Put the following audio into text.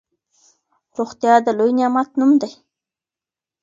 روغتيا د لوی نعمت نوم دی.